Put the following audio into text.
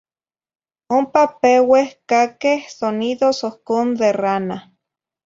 Ompa peueh caqueh sonidos ohcon de rana.